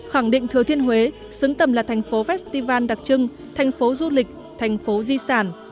khẳng định thừa thiên huế xứng tầm là thành phố festival đặc trưng thành phố du lịch thành phố di sản